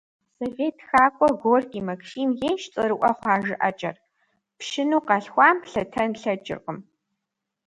Совет тхакӀуэ Горький Максим ейщ цӀэрыӀуэ хъуа жыӀэкӀэр: «Пщыну къалъхуам лъэтэн лъэкӀыркъым».